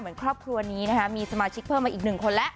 ครอบครัวนี้นะคะมีสมาชิกเพิ่มมาอีกหนึ่งคนแล้ว